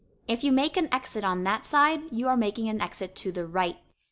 If you make an exit on that side you are making an exit to the right.